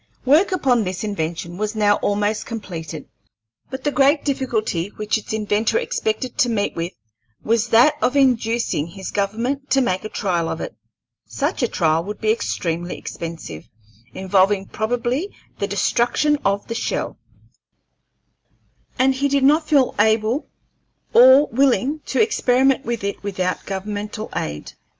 Work upon this invention was now almost completed, but the great difficulty which its inventor expected to meet with was that of inducing his government to make a trial of it. Such a trial would be extremely expensive, involving probably the destruction of the shell, and he did not feel able or willing to experiment with it without governmental aid.